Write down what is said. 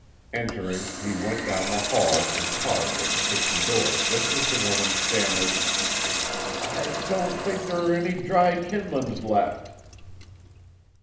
Entering, he went down the hall and paused at the kitchen door just as the woman stammered: "I d don't think there are any dry kindlings left."